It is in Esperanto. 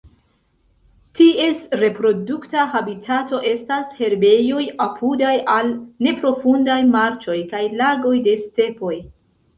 Ties reprodukta habitato estas herbejoj apudaj al neprofundaj marĉoj kaj lagoj de stepoj.